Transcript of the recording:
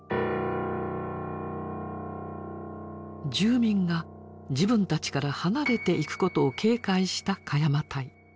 住民が自分たちから離れていくことを警戒した鹿山隊。